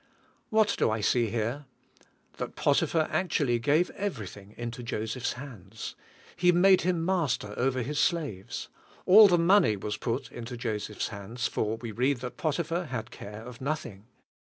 What do I see here? That Potiphar actually gave everything into Joseph's hands. He made him master over his slaves. All the money was put into Joseph's hands, for we read that Potiphar had care of noth ing.